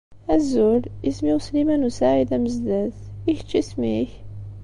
Azul. Isem-iw Sliman u Saɛid Amezdat. I kečč isem-ik?